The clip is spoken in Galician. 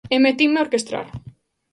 E metinme a orquestrar.